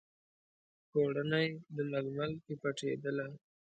پوړني، د ململ کې پټیدله